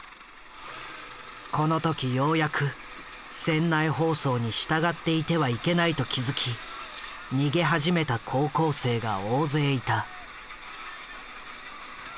この時ようやく船内放送に従っていてはいけないと気付き逃げ始めた高校生が大勢いた。